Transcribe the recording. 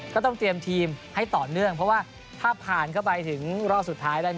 ก็ต้องเตรียมทีมให้ต่อเนื่องเพราะว่าถ้าผ่านเข้าไปถึงรอบสุดท้ายแล้ว